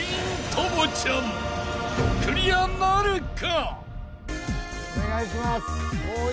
［クリアなるか？］